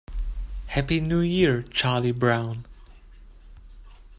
Happy New Year, Charlie Brown!